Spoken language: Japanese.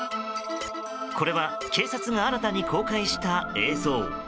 これは警察が新たに公開した映像。